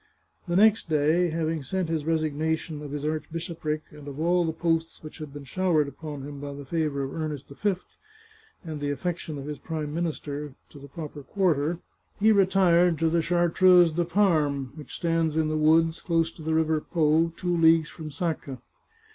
The next day, having sent his resignation of his archbish opric, and of all the posts which had been showered upon him by the favour of Ernest V and the affection of his Prime Min ister, to the proper quarter, he retired to the Chartreuse de Parme, which stands in the woods, close to the river Po, two leagues from Sacca.